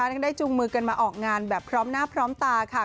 ได้จูงมือกันมาออกงานแบบพร้อมหน้าพร้อมตาค่ะ